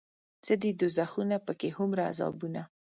څه دي دوزخونه پکې هومره عذابونه